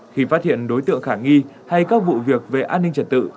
khi phát hiện đối tượng khả nghi hay các vụ việc về an ninh trật tự